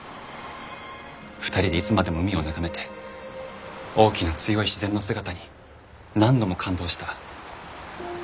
２人でいつまでも海を眺めて大きな強い自然の姿に何度も感動した。